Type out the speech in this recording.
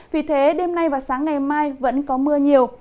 vì thế đêm nay và sáng ngày mai vẫn có mưa nhiều